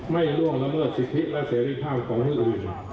ล่วงละเมิดสิทธิและเสรีภาพของที่อื่น